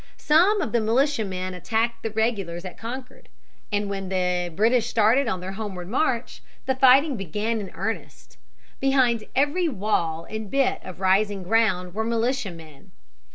Some of the militiamen attacked the regulars at Concord, and when the British started on their homeward march, the fighting began in earnest. Behind every wall and bit of rising ground were militiamen.